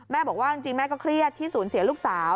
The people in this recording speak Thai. บอกว่าจริงแม่ก็เครียดที่สูญเสียลูกสาว